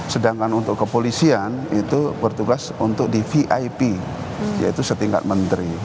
sedangkan untuk kepolisian itu bertugas untuk di vip yaitu setingkat menteri